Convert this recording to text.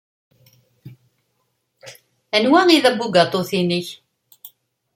Anwa ay d abugaṭu-nnek?